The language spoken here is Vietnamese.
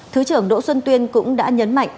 thứ trưởng đỗ xuân tuyên cũng đã nhấn mạnh